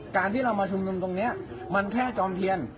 การที่เรามาชุมนุมตรงนี้มันแค่จอมเทียน